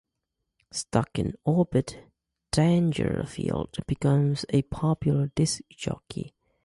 Stuck in orbit, Dangerfield becomes a popular disc jockey.